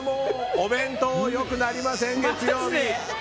お弁当、良くなりません月曜日。